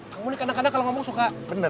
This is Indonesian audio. kamu nih kadang kadang kalau ngomong suka bener